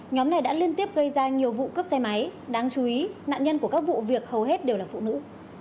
nhóm này đã liên tiếp gây ra nhiều vụ cướp xe máy đáng chú ý nạn nhân của các vụ việc hầu hết đều là phụ nữ